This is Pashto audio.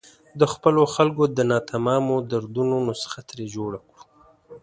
د خپلو خلکو د ناتمامو دردونو نسخه ترې جوړه کړو.